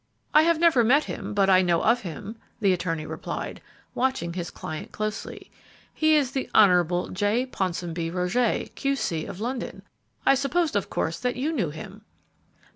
"I have never met him, but I know of him," the attorney replied, watching his client closely. "He is the Honorable J. Ponsonby Roget, Q. C., of London. I supposed of course that you knew him."